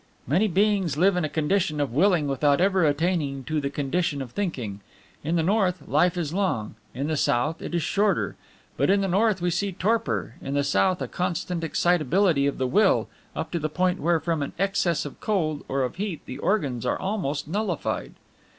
"Many beings live in a condition of Willing without ever attaining to the condition of Thinking. In the North, life is long; in the South, it is shorter; but in the North we see torpor, in the South a constant excitability of the Will, up to the point where from an excess of cold or of heat the organs are almost nullified."